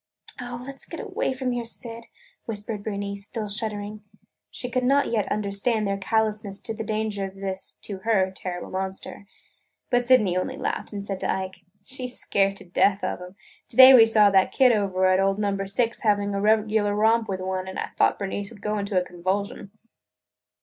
"Oh, let 's get away from here, Syd!" whispered Bernice, still shuddering. She could not yet understand their callousness to the danger of this (to her) terrible monster. But Sydney only laughed and said to Ike: "She 's scared to death of 'em! To day we saw that kid over at old Number Six having a regular romp with one and I thought Bernice would go into a convulsion!"